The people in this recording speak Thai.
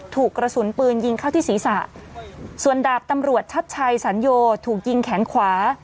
ถูกกระสุนปืนยิงเข้าที่ศีรษะส่วนดาบตำรวจชัดชัยสัญโยถูกยิงแขนขวา